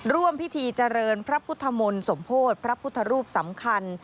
ร่วมพิธีเจริญพระพุทธมนต์สมโพธิพระพุทธรูปสำคัญ